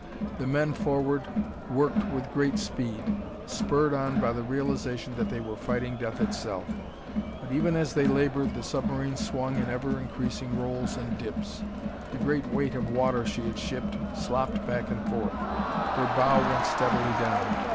The men forward worked with great speed, spurred on by the realization that they were fighting death itself, but even as they labored the submarine swung in ever increasing rolls and dips; the great weight of water she had shipped slopped back and forth; her bow went steadily down.